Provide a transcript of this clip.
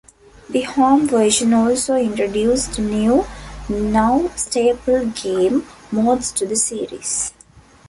The home version also introduced new, now-staple game modes to the series.